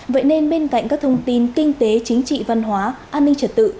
vậy nên bên cạnh các thông tin kinh tế chính trị văn hóa an ninh trật tự